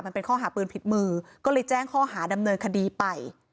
มันเป็นข้อหาปืนผิดมือก็เลยแจ้งข้อหาดำเนินคดีไป